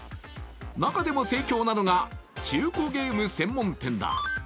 中でも盛況なのが中古ゲーム専門店だ。